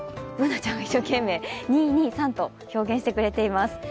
Ｂｏｏｎａちゃんが一生懸命、２・２・３と表現してくれています。